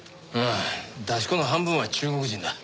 ああ出し子の半分は中国人だ。